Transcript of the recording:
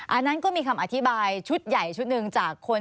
อันนั้นก็มีคำอธิบายชุดใหญ่ชุดหนึ่งจากคน